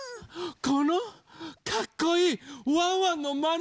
このかっこいいワンワンのまねしてね！